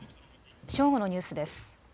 正午のニュースです。